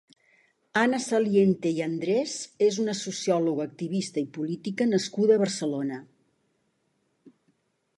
Anna Saliente i Andrés és una sociòloga, activista i política nascuda a Barcelona.